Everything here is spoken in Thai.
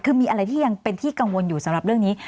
คือมีอะไรที่ยังเป็นที่กังวลอยู่สำหรับเรื่องนี้